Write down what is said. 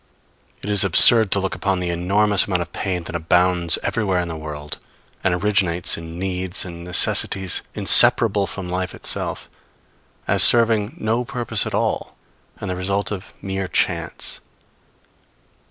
It is absurd to look upon the enormous amount of pain that abounds everywhere in the world, and originates in needs and necessities inseparable from life itself, as serving no purpose at all and the result of mere chance.